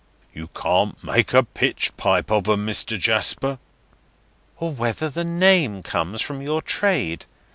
("You can't make a pitch pipe of 'em, Mr. Jasper.") "Or whether the name comes from your trade.